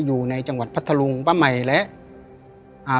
อยู่ในจังหวัดพัทธลุงป้าใหม่และอ่า